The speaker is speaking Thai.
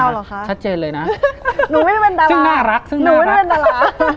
เอ้าเหรอคะชัดเจนเลยนะซึ่งน่ารักหนูไม่ได้เป็นดารา